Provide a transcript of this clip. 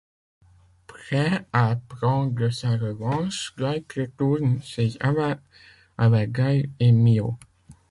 Prêt à prendre sa revanche, Dwight retourne chez Ava avec Gail et Miho.